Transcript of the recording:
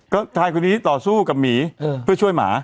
ก็ชายคนนี้ต่อสู้กับหมีเพื่อช่วยหมา